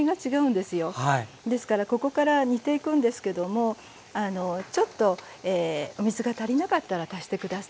ですからここから煮ていくんですけどもちょっとお水が足りなかったら足して下さい。